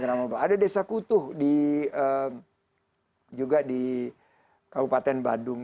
ada desa kutuh juga di kabupaten badung